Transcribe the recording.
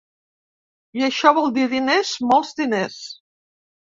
I això vol dir diners, molts diners.